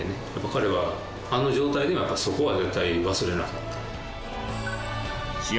彼はあの状態でもやっぱそこは絶対忘れなかった。